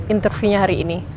interviewnya hari ini